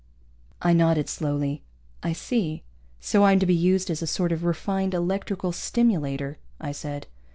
I nodded slowly. "I see. So I'm to be used as a sort of refined electrical stimulator," I said.